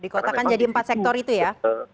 dikotakan jadi empat sektor itu ya